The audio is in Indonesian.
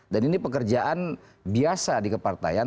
dan ini pekerjaan biasa di kepartaian